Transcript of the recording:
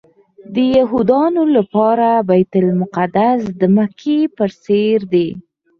د یهودانو لپاره بیت المقدس د مکې په څېر دی.